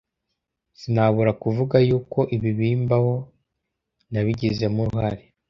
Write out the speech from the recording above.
sinabura kuvuga yuko ibi bimbaho nabigizemo uruhare